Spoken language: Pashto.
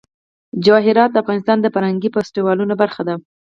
جواهرات د افغانستان د فرهنګي فستیوالونو برخه ده.